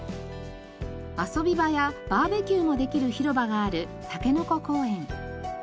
遊び場やバーベキューもできる広場があるたけのこ公園。